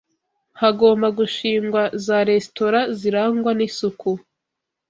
hagomba gushingwa za resitora zirangwa n’isuku